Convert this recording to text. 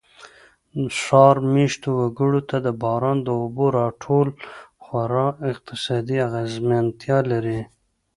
ښار مېشتو وګړو ته د باران د اوبو را ټول خورا اقتصادي اغېزمنتیا لري.